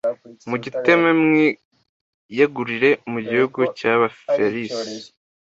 mugiteme mwiyagurire mu gihugu cy Abaferizi